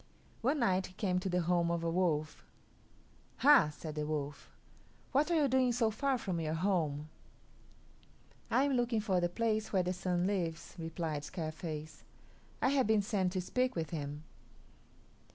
One night he came to the home of a wolf. "Hah!" said the wolf; "what are you doing so far from your home?" "I am looking for the place where the Sun lives," replied Scarface. "I have been sent to speak with him."